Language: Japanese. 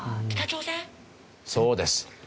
そうです。